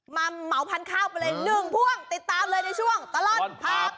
มาเหมาพันธุ์ข้าวไปเลย๑พ่วงติดตามเลยในช่วงตลอดผัก